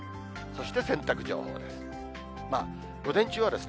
そして洗濯情報です。